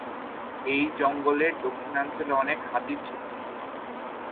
এই জঙ্গলের দক্ষিণাঞ্চলে অনেক হাতি ছিল।